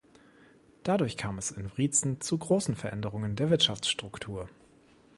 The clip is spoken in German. Dadurch kam es in Wriezen zu großen Veränderungen der Wirtschaftsstruktur.